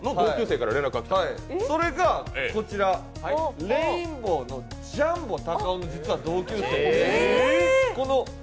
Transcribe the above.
それがこちら、レインボーのジャンボたかお、実は同級生で。